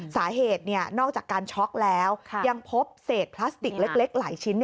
สาเหตุนอกจากการช็อกแล้วยังพบเศษพลาสติกเล็กหลายชิ้น